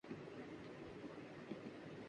تیرے اشعار میں نوجواں کے لیے نصیحت ھے چھپی